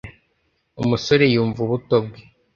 Umusore yumva ubuto bwe